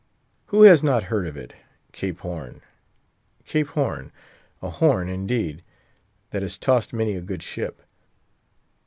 Who has not heard of it? Cape Horn, Cape Horn—a horn indeed, that has tossed many a good ship.